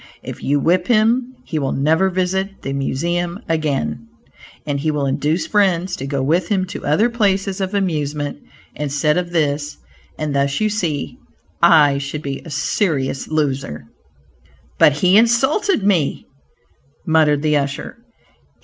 If you whip him, he will never visit the Museum again, and he will induce friends to go with him to other places of amusement instead of this, and thus you see, I should be a serious loser." "But he insulted me," muttered the usher.